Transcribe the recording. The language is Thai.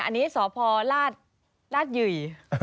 อันนี้ซ้อพอลาดยื่ย